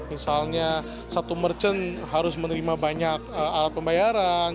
misalnya satu merchant harus menerima banyak alat pembayaran